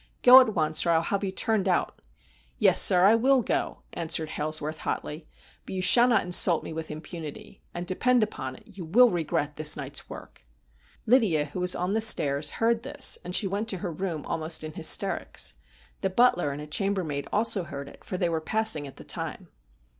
Go at once, or I will have you turned out !'' Yes, sir, I will go,' answered Hailsworth hotly, ' but you shall not insult me with impunity, and, depend upon it, you will regret this night's work.' Lydia, who was on the stairs, heard this, and she went to her room almost in hysterics. The butler and a chambermaid also heard it, for they were passing at the time.